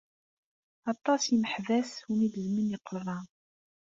Aṭas n yimeḥbas iwumi gezmen iqerra.